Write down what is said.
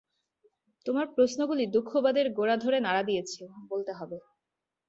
তোমার প্রশ্নগুলি দুঃখবাদের গোড়া ধরে নাড়া দিয়েছে, বলতে হবে।